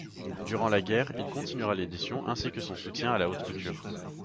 Durant la guerre, il continuera l'édition ainsi que son soutien à la haute couture.